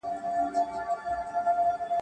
له امیانو لاري ورکي له مُلا تللی کتاب دی.